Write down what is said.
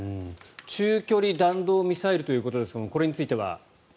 中距離弾道ミサイルということですがこれについては？